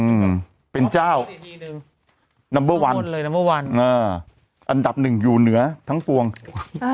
อืมเป็นเจ้านับบนเลยนับบนอ่าอันดับหนึ่งอยู่เหนือทั้งปวงอ่า